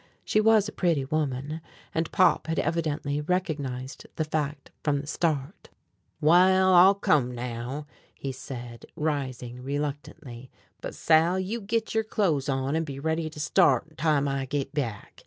She was a pretty woman, and Pop had evidently recognized the fact from the start. "Wal, I'll come now," he said, rising reluctantly; "but, Sal, you git yer clothes on an' be ready to start time I git back.